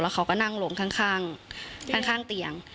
เขาก็นั่งลงข้างเตียง